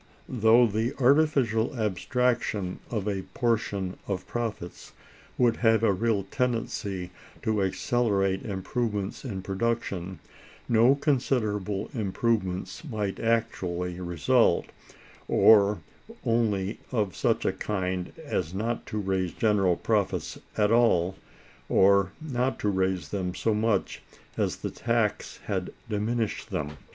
though the artificial abstraction of a portion of profits would have a real tendency to accelerate improvements in production, no considerable improvements might actually result, or only of such a kind as not to raise general profits at all, or not to raise them so much as the tax had diminished them.